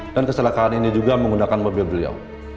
dan kesalahkahan ini juga menggunakan mobil beliau